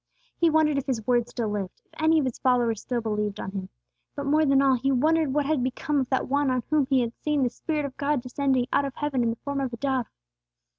He wondered if his words still lived; if any of his followers still believed on him. But more than all, he wondered what had become of that One on whom he had seen the spirit of God descending out of heaven in the form of a dove.